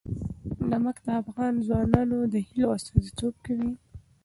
نمک د افغان ځوانانو د هیلو استازیتوب کوي.